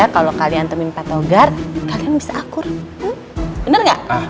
kalian bisa akur bener gak